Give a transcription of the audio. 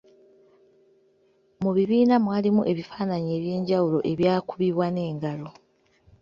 Mu bibiina mwalimu ebifaananyi eby’enjawulo ebyakubibwa n’engalo.